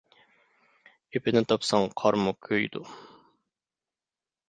ئېپىنى تاپساڭ قارمۇ كۆيىدۇ.